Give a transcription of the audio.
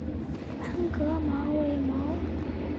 班戈毛茛为毛茛科毛茛属下的一个种。